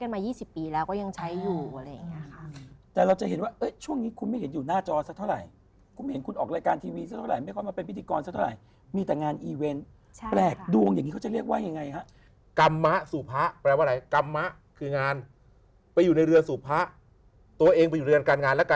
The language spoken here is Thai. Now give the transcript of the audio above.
ไม่เยอะหรอกค่ะเบา